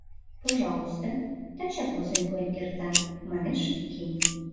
Пожалуйста, тачак возен пуэн кертам, — манеш Яким.